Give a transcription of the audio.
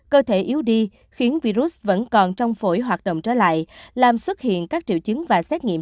cơ thể yếu đi khiến virus vẫn còn trong phổi hoạt động trở lại làm xuất hiện các triệu chứng và xét nghiệm